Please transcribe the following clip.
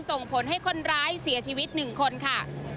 ส่งผลให้คนร้ายเสียชีวิต๑คนค่ะ